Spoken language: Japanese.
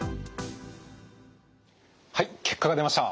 はい結果が出ました。